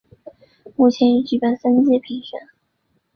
目前已举办三届评选。